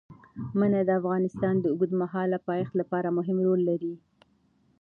منی د افغانستان د اوږدمهاله پایښت لپاره مهم رول لري.